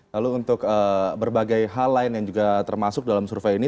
lalu untuk berbagai hal lain yang juga termasuk dalam survei ini